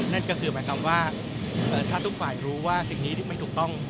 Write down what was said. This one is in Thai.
นั่นก็คือหมายความว่าถ้าทุกฝ่ายรู้ว่าสิ่งนี้ที่ไม่ถูกต้อง